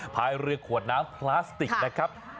พายเรือขวดน้ำพลาสติกนะครับ